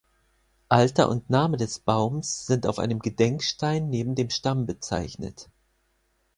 Alter und Name des Baums sind auf einem Gedenkstein neben dem Stamm bezeichnet.